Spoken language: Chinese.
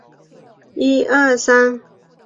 腹蛇角鲨对人类来说并没有经济价值。